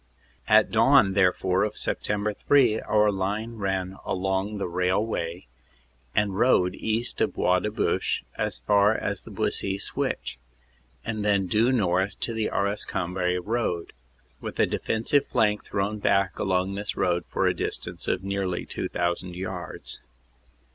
"At dawn, therefore, of Sept. 3 our line ran along the rail way and road east of Bois de Bouche, as far as the Buissy Switch, and then due north to the Arras Cambrai road, with a defensive flank thrown back along this road for a distance of nearly 2,000 yards.